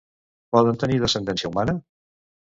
Poden tenir descendència humana?